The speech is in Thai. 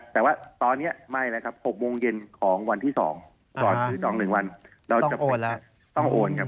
แต่ว่าตอนนี้ไม่แล้วครับ๖โมงเย็นของวันที่๒ตอนคือ๑วันต้องโอนแล้ว